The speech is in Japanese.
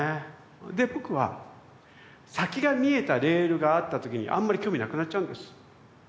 で僕は先が見えたレールがあった時にあんまり興味なくなっちゃうんです。